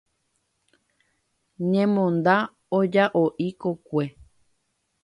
Ñemonda ojahoʼi kokue.